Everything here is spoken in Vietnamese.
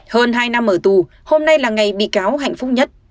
hơn hai năm ở tù hôm nay là ngày bị cáo hạnh phúc nhất